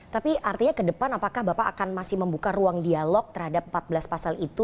tapi artinya ke depan apakah bapak akan masih membuka ruang dialog terhadap empat belas pasal itu